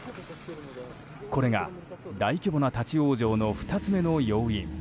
これが大規模な立ち往生の２つ目の要因。